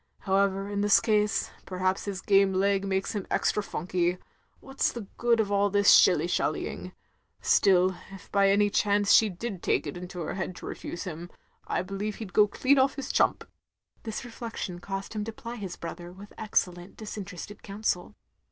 However, in this case, perhaps his game leg makes him extra funky. What 's the good of all this shilly shallying? Still if by any chance she did take it into her head to refuse him, I believe he *d go dean off his chtmip. " This reflection caused, him to ply his brother with excellent disinterested counsel.